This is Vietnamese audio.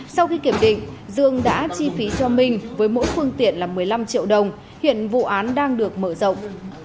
sau khi kiểm định dương đã chi phí cho minh với mỗi phương tiện là một mươi năm triệu đồng hiện vụ án đang được mở rộng